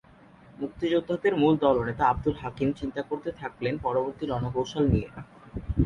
মুক্তিযোদ্ধাদের মূল দলনেতা আবদুল হাকিম চিন্তা করতে থাকলেন পরবর্তী রণকৌশল নিয়ে।